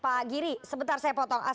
pak giri sebentar saya potong